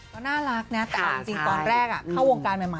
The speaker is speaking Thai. ก็น่ารักนะแต่เอาจริงตอนแรกเข้าวงการใหม่